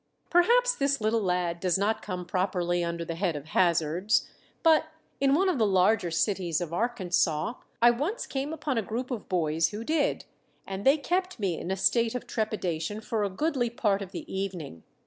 Perhaps this little lad does not come properly under the head of Hazards; but in one of the larger cities of Arkansas I once came upon a group of boys who did, and they kept me in a state of trepidation for a goodly part of the evening.